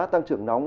tăng trưởng nóng